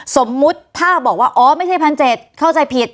สมมุทธ์ถ้าบอกว่าอ๋อไม่ใช่พันเจ็ดเข้าใจผิด